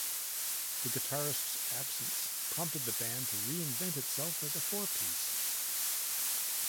The guitarist's absence prompted the band to reinvent itself as a four-piece.